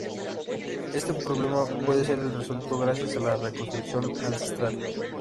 Este problema puede ser resuelto gracias a la reconstrucción ancestral.